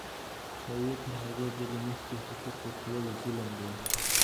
که يوې ته تر هغې بلي مخکي حقوق ورکول ظلم دی.